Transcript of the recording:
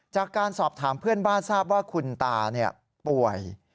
จากการสอบถามเพื่อนบ้านทราบว่าคุณตาป่วย